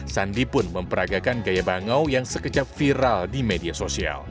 sandi pun memperagakan gaya bangau yang sekejap viral di media sosial